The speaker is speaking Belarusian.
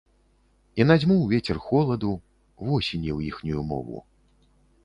І надзьмуў вецер холаду, восені ў іхнюю мову.